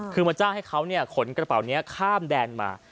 คือมาจ้างให้เขาขนกระเป๋านี้ข้ามแดนมา